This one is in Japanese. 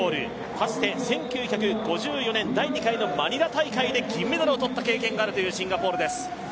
かつて１９５４年、第２回のマニラ大会で銀メダルを取ったことがあるシンガポール。